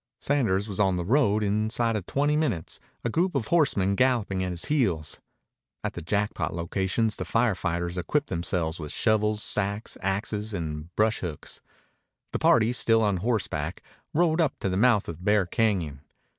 Sanders was on the road inside of twenty minutes, a group of horsemen galloping at his heels. At the Jackpot locations the fire fighters equipped themselves with shovels, sacks, axes, and brush hooks. The party, still on horseback, rode up to the mouth of Bear Cañon.